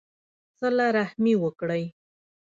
صلہ رحمي وکړئ